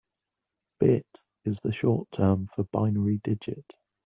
Bit is the short term for binary digit.